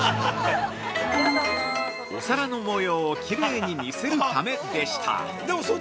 お皿の模様をきれいに見せるためでした。